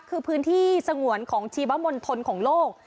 คือพื้นที่สงวนของชีวมณฑลของโลก